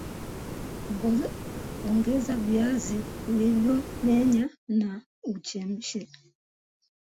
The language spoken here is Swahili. Ongeza viazi ulivyomenya na uchemshe